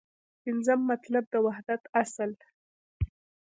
پنځم مطلب : د وحدت اصل